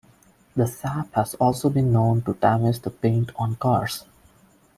The sap has also been known to damage the paint on cars.